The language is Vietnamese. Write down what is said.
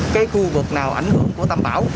cái khu vực nào ảnh hưởng của tâm bảo